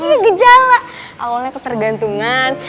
ih gejala awalnya ketergantungan